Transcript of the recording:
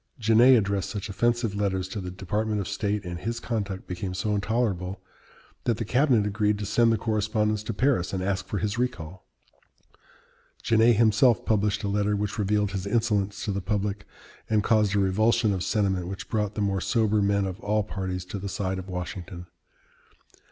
Genet addressed such offensive letters to the Department of State, and his conduct became so intolerable, that the cabinet agreed to send the correspondence to Paris and ask for his recall. Genet himself published a letter which revealed his insolence to the public, and caused a revulsion of sentiment which brought the more sober men of all parties to the side of Washington.